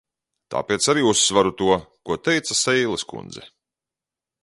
Tāpēc arī uzsveru to, ko teica Seiles kundze.